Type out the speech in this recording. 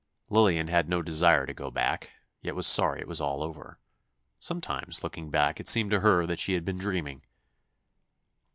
Lillian had no desire to go back, yet was sorry it was all over. Sometimes, looking back, it seemed to her that she had been dreaming.